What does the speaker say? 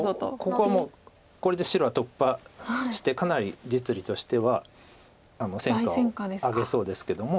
ここはもうこれで白は突破してかなり実利としては成果を上げそうですけども。